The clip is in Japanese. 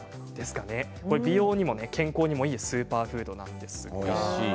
美容にも健康にもいいスーパーフードなんです。